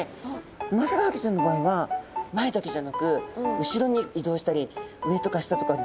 ウマヅラハギちゃんの場合は前だけじゃなく後ろに移動したり上とか下とか自在な泳ぎができるんですね。